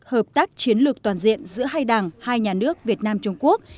hợp tác chiến lược toàn diện giữa hai đảng hai nhà nước việt nam trung quốc